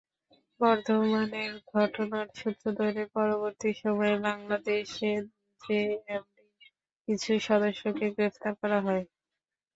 বর্ধমানের ঘটনার সূত্র ধরে পরবর্তী সময়ে বাংলাদেশে জেএমবির কিছু সদস্যকে গ্রেপ্তার করা হয়।